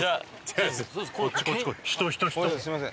すみません。